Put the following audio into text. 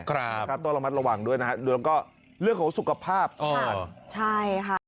ครับตัวละมัดระหว่างด้วยนะฮะแล้วก็เรื่องของสุขภาพอ๋อใช่ค่ะ